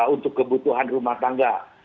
untuk kebutuhan rumah tangga